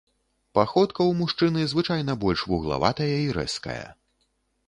Паходка ў мужчыны звычайна больш вуглаватая і рэзкая.